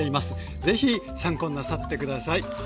是非参考になさって下さい。